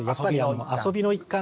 遊びの一環？